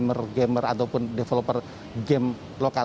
gamer gamer ataupun developer game lokal